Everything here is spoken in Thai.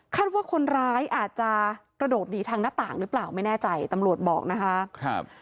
ว่าคนร้ายอาจจะกระโดดหนีทางหน้าต่างหรือเปล่าไม่แน่ใจตำรวจบอกนะคะ